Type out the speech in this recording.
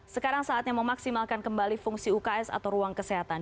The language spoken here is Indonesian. sekarang saatnya memaksimalkan kembali fungsi uks atau ruang kesehatan